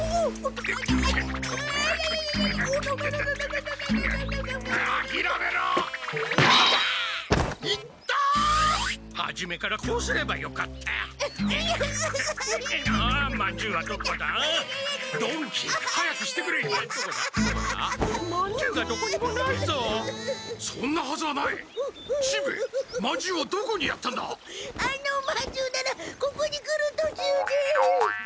あのおまんじゅうならここに来るとちゅうで。